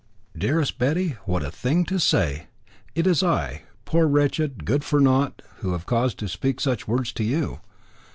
"Dearest Betty, what a thing to say! It is I poor, wretched, good for naught who have cause to speak such words to you.